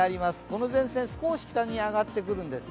この前線、少し北に上がってくるんです。